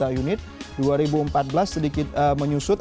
jadi ini adalah jumlah kartu uang elektronik yang sudah beredar di masyarakat